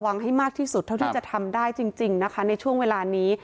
ให้มากที่สุดเท่าที่จะทำได้จริงนะคะในช่วงเวลานี้